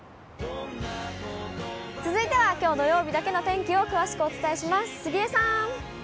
続いては、きょう土曜日だけのお天気を詳しくお伝えします。